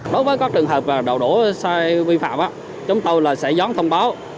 đối với các trường hợp đậu đỗ sai vi phạm chúng tôi sẽ dón thông báo